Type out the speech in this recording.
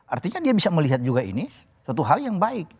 artinya dia bisa melihat juga ini suatu hal yang baik